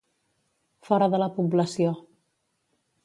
Fora de la població.